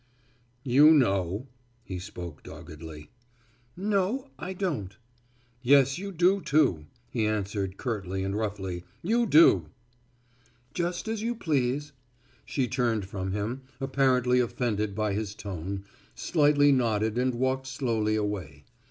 "You know," he spoke doggedly. "No, I don't." "Yes you do, too," he answered curtly and roughly. "You do." "Just as you please." She turned from him, apparently offended by his tone, slightly nodded and walked slowly away.